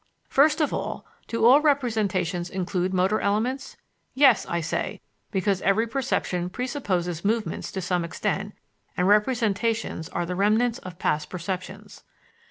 First of all, do all representations include motor elements? Yes, I say, because every perception presupposes movements to some extent, and representations are the remnants of past perceptions.